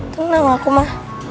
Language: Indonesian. tenang aku mah